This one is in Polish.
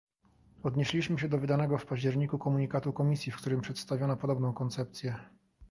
Odnieśliśmy się do wydanego w październiku komunikatu Komisji, w którym przedstawiono podobną koncepcję